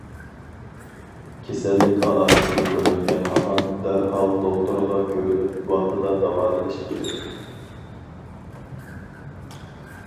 كېسەللىك ئالامىتى كۆرۈلگەن ھامان، دەرھال دوختۇرغا كۆرۈنۈپ، ۋاقتىدا داۋالىنىش كېرەك.